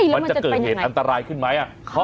มันจะเกิดเหตุอันตรายขึ้นไหม